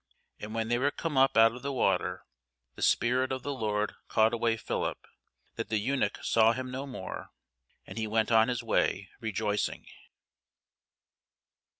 And when they were come up out of the water, the Spirit of the Lord caught away Philip, that the eunuch saw him no more: and he went on his way rejoicing.